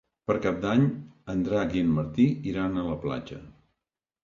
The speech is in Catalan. Per Cap d'Any en Drac i en Martí iran a la platja.